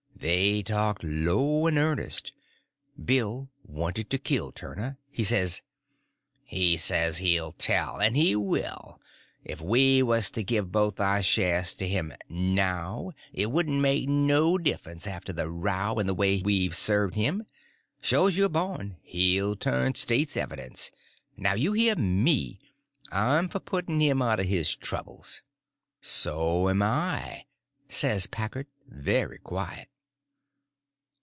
They talked low and earnest. Bill wanted to kill Turner. He says: "He's said he'll tell, and he will. If we was to give both our shares to him now it wouldn't make no difference after the row and the way we've served him. Shore's you're born, he'll turn State's evidence; now you hear me. I'm for putting him out of his troubles." "So'm I," says Packard, very quiet.